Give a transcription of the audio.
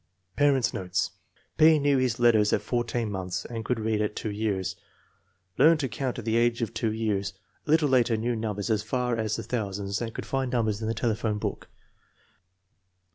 Parents 9 notes. P. knew his letters at 14 months and could read at years. Learned to count at the age of 2 years. A little later knew numbers as far as the thou sands and could find numbers in the telephone book.